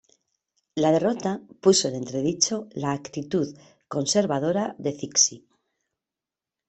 La derrota puso en entredicho la actitud conservadora de Cixi.